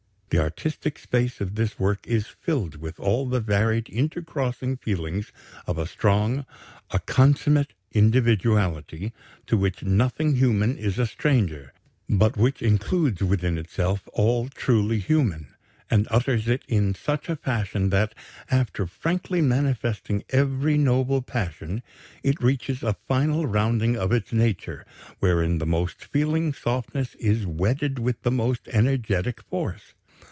The artistic space of this work is filled with all the varied, inter crossing feelings of a strong, a consummate individuality, to which nothing human is a stranger, but which includes within itself all truly human, and utters it in such a fashion that, after frankly manifesting every noble passion, it reaches a final rounding of its nature, wherein the most feeling softness is wedded with the most energetic force.